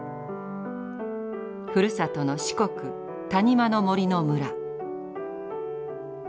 ふるさとの四国谷間の森の村。